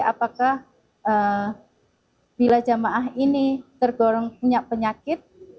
apakah bila jamaah ini tergolong punya penyakit